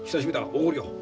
おごるよ。